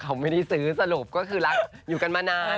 เขาไม่ได้ซื้อสรุปก็คือรักอยู่กันมานาน